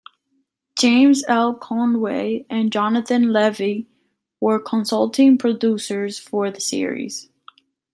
James L. Conway and Jonathan Levin were consulting producers for the series.